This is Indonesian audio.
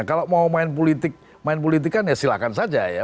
kalau mau main politik main politikan ya silahkan saja ya